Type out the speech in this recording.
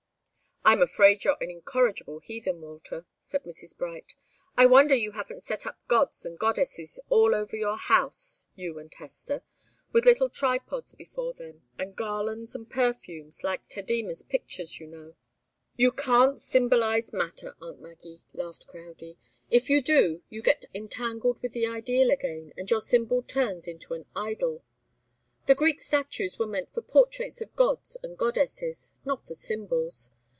"I'm afraid you're an incorrigible heathen, Walter," said Mrs. Bright. "I wonder you haven't set up gods and goddesses all over your house you and Hester with little tripods before them, and garlands and perfumes like Tadema's pictures, you know." "You can't symbolize matter, aunt Maggie," laughed Crowdie. "If you do, you get entangled with the ideal again, and your symbol turns into an idol. The Greek statues were meant for portraits of gods and goddesses, not for symbols.